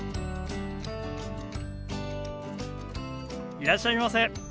いらっしゃいませ。